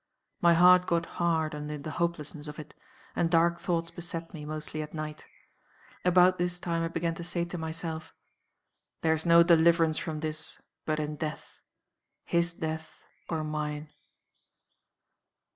My heart got hard under the hopelessness of it; and dark thoughts beset me, mostly at night. About this time I began to say to myself, 'There's no deliverance from this, but in death his death or mine.